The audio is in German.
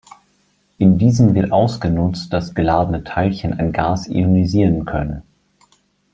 In diesen wird ausgenutzt, dass geladene Teilchen ein Gas ionisieren können.